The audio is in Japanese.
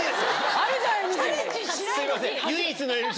あるじゃんＮＧ。